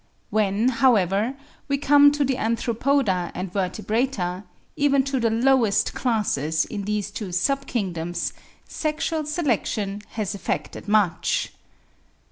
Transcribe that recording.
When, however, we come to the Arthropoda and Vertebrata, even to the lowest classes in these two great Sub Kingdoms, sexual selection has effected much.